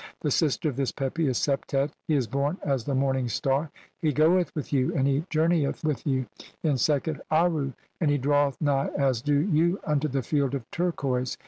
The sister of this Pepi is Septet, he is born as the "Morning Star ; he goeth with you, and he journeyeth "with you in Sekhet Aaru, and he draweth nigh as do "you unto the Field of Turquoise.